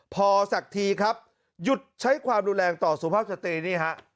พอสักทีครับหยุดใช้ความรุนแรงต่อสุภาพสตรีนี่ฮะ